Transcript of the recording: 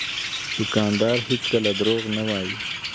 دوکاندار هېڅکله دروغ نه وایي.